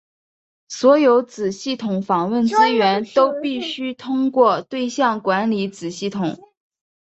所有子系统访问资源都必须通过对象管理子系统。